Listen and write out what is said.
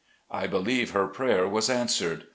I believe her prayer was answered.